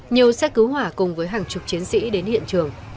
nhiều xe cứu hỏa cùng với hàng chục chiến sĩ đến hiện trường